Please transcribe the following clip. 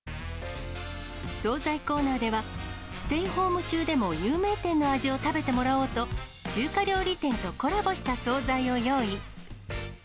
総菜コーナーでは、ステイホーム中でも有名店の味を食べてもらおうと、中華調理店とコラボした総菜を用意。